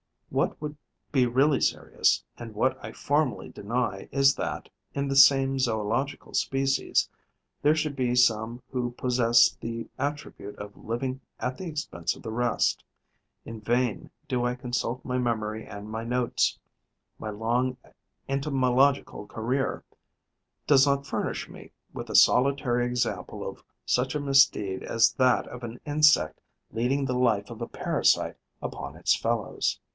What would be really serious and what I formally deny is that, in the same zoological species, there should be some who possessed the attribute of living at the expense of the rest. In vain do I consult my memory and my notes: my long entomological career does not furnish me with a solitary example of such a misdeed as that of an insect leading the life of a parasite upon its fellows.